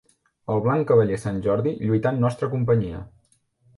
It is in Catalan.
El blanc cavaller Sant Jordi lluità en nostra companyia.